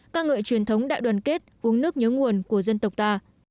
ca ngợi truyền thống đại đoàn kết uống nước nhớ nguồn của dân tộc ta